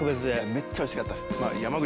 めっちゃおいしかったです。